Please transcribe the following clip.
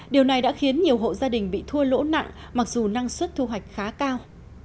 điều này đã khiến nhiều hộ gia đình bị thua lỗ nặng mặc dù năng suất thu hoạch khá cao